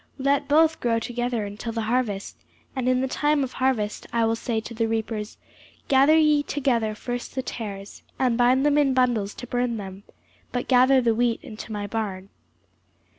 Let both grow together until the harvest: and in the time of harvest I will say to the reapers, Gather ye together first the tares, and bind them in bundles to burn them: but gather the wheat into my barn.